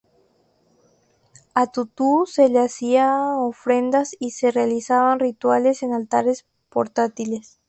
A Tutu se le hacían ofrendas y se realizaban rituales en altares portátiles.